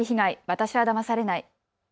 私はだまされない。